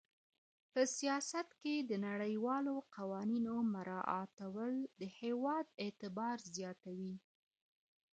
په سیاست کې د نړیوالو قوانینو مراعاتول د هېواد اعتبار زیاتوي.